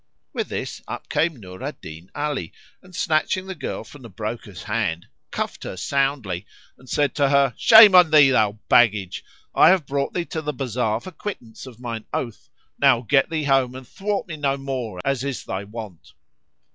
With this up came Nur al Din Ali and, snatching the girl from the broker's hand, cuffed her soundly and said to her, "Shame on thee, O thou baggage! I have brought thee to the bazar for quittance of mine oath; now get thee home and thwart me no more as is thy wont.